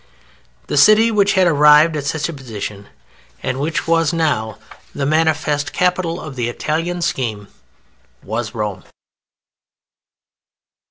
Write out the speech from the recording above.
The city which had arrived at such a position, and which was now the manifest capital of the Italian scheme, was ROME.